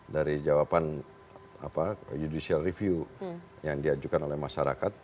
dari jawaban judicial review yang diajukan oleh masyarakat